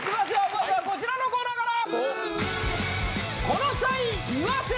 まずはこちらのコーナーから！